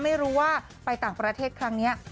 ไม่รู้ว่าไปต่างประเทศครั้งนี้